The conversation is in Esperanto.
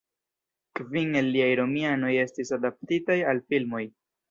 Kvin el liaj romanoj estis adaptitaj al filmoj.